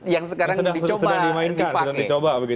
yang sekarang dicoba dipakai